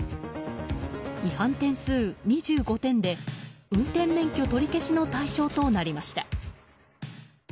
違反点数２５点で運転免許取り消しの対象となりました。